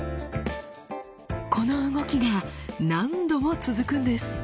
この動きが何度も続くんです。